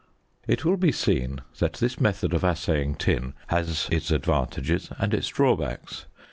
It will be seen that this method of assaying tin has its advantages and its drawbacks.